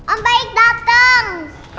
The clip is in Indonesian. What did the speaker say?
om baik dateng